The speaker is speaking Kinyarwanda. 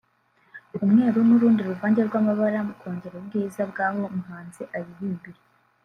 umweru n’urundi ruvange rw’amabara mu kongera ubwiza bw’aho umuhanzi aririmbira